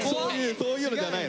そういうのじゃないです。